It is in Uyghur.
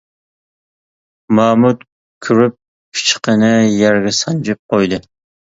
مامۇت كۈرۈك پىچىقىنى يەرگە سانجىپ قويدى.